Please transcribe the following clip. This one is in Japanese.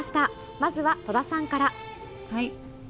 まずは戸田さんから。